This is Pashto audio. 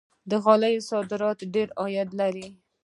د غالیو صادرات ډیر عاید لري.